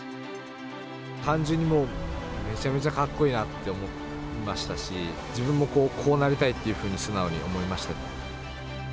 単純にもう、めちゃめちゃかっこいいなって思いましたし、自分もこうなりたいっていうふうに、素直に思いました。